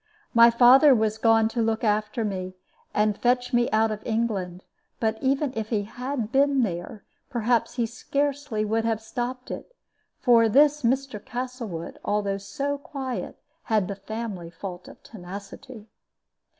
My father was gone to look after me, and fetch me out of England, but even if he had been there, perhaps he scarcely could have stopped it; for this Mr. Castlewood, although so quiet, had the family fault of tenacity.